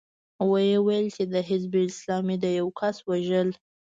ويې ويل چې د حزب اسلامي د يوه کس وژل.